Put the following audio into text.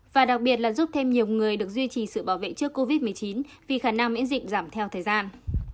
và đặc biệt là giúp thêm nhiều người được duy trì sự bảo vệ trước covid một mươi chín vì khả năng miễn dịch giảm theo thời gian